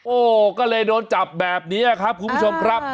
โอ้โหก็เลยโดนจับแบบนี้ครับคุณผู้ชมครับ